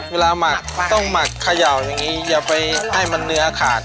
หมักต้องหมักเขย่าอย่างนี้อย่าไปให้มันเนื้อขาด